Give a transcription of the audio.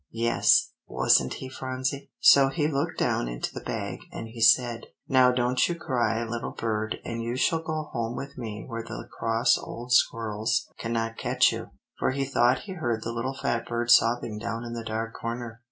Yes, wasn't he Phronsie? So he looked down into the bag, and he said, 'Now don't you cry, little bird, and you shall go home with me where the cross old squirrels cannot catch you;' for he thought he heard the little fat bird sobbing down in the dark corner."